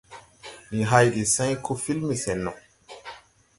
Ndi hày de sãy koo filme sɛn no.